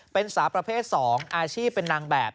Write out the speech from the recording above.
เป็นสาวประเภท๒อาชีพเป็นนางแบบ